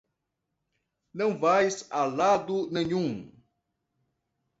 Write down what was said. Não vais a lado nenhum!